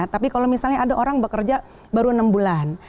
tapi kalau misalnya ada orang bekerja baru enam bulan